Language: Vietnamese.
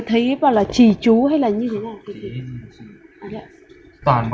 thì thấy ý bảo là trì trú hay là như thế nào